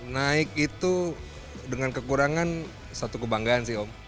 naik itu dengan kekurangan satu kebanggaan sih om